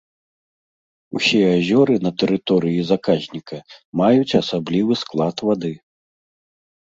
Усе азёры на тэрыторыі заказніка маюць асаблівы склад вады.